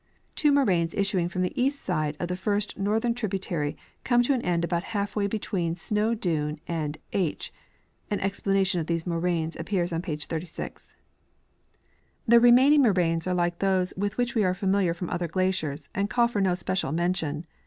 Two moraines issuing from the east side of the first northern tributar}^ come to an end about half way between Snow dome and H (an exi^lanation of these moraines appears on page 36. The remain ing moraines are like those with Avhich Ave are familiar on other glaciers, and call for no special mention.